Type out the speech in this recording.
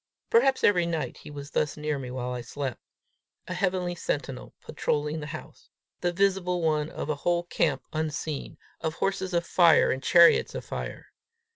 Perhaps every night he was thus near me while I slept a heavenly sentinel patrolling the house the visible one of a whole camp unseen, of horses of fire and chariots of fire.